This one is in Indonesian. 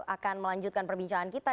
akan melanjutkan perbincangan kita